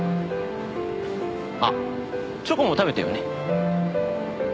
あっチョコも食べてよね。